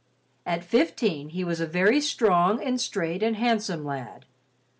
At fifteen, he was a very strong and straight and handsome lad.